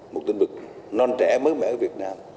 một lĩnh vực non trẻ mới mẻ ở việt nam